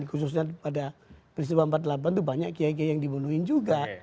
khususnya pada peristiwa empat puluh delapan itu banyak kiai kiai yang dibunuhin juga